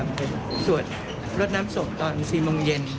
เป็นสวดรถน้ำสกตอน๔โมงเย็น